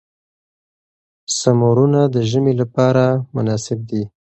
سمورونه د ژمي لپاره مناسب دي.